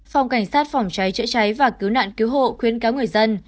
phòng cảnh sát phòng cháy chữa cháy và cứu nạn cứu hộ khuyến cáo người dân